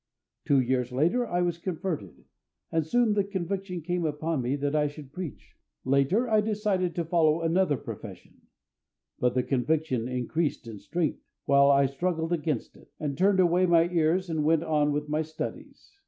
Two years later I was converted, and soon the conviction came upon me that I should preach. Later, I decided to follow another profession; but the conviction increased in strength, while I struggled against it, and turned away my ears and went on with my studies.